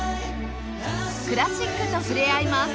クラシックと触れ合います